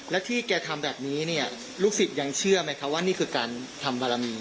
แล้วที่แกทำแบบนี้เนี่ยลูกศิษย์ยังเชื่อไหมคะว่านี่คือการทำบารมี